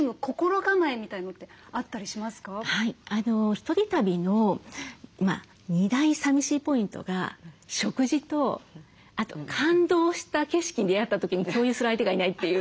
１人旅の２大寂しいポイントが食事とあと感動した景色に出会った時に共有する相手がいないっていう。